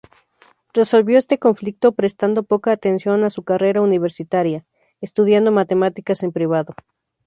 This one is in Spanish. Resolvió este conflicto prestando poca atención a su carrera universitaria, estudiando matemáticas en privado.